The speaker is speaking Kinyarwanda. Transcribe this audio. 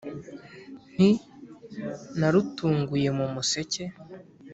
nti :narutunguye mu museke,